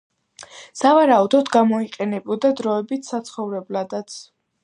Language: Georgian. სავარაუდოდ, გამოიყენებოდა დროებით საცხოვრებლადაც.